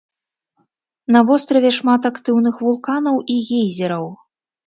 На востраве шмат актыўных вулканаў і гейзераў.